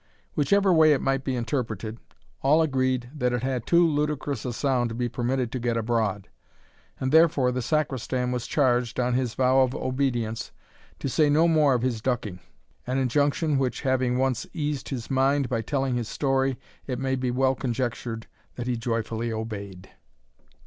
Whichever way it might be interpreted, all agreed that it had too ludicrous a sound to be permitted to get abroad, and therefore the Sacristan was charged, on his vow of obedience, to say no more of his ducking; an injunction which, having once eased his mind by telling his story, it may be well conjectured that he joyfully obeyed.